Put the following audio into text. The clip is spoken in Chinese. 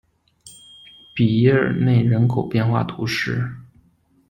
比耶尔内人口变化图示